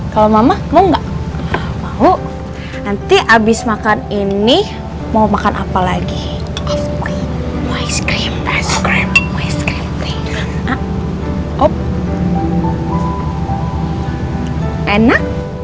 kalau mama mau nggak mau nanti habis makan ini mau makan apa lagi ice cream enak enak